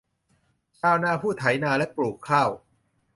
ชาวนาผู้ไถนาและปลูกข้าว